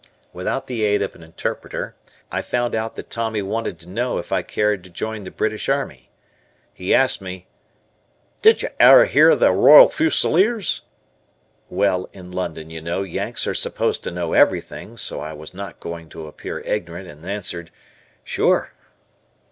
Without the aid of an interpreter, I found out that Tommy wanted to know if I cared to join the British Army. He asked me: "Did you ever hear of the Royal Fusiliers?" Well, in London you know. Yanks are supposed to know everything, so I was not going to appear ignorant and answered, "Sure."